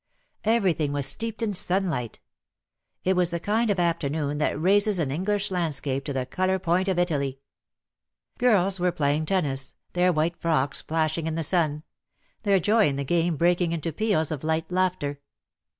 Everything was steeped in sunlight. It was the kind of afternoon that raises an English landscape to the colour point of Italy. Girls were playing tennis, their white frocks flashing in the sun — their joy in the game breaking into peals of light laughter.